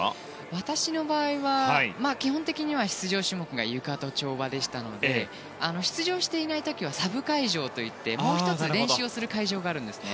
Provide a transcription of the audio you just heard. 私の場合は基本的には出場種目がゆかと跳馬でしたので出場していない時はサブ会場といってもう１つ、練習する会場があるんですね。